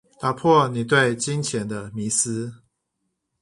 打破你對金錢的迷思